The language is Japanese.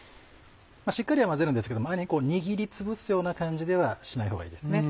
しっかりは混ぜるんですけど握りつぶすような感じではしない方がいいですね。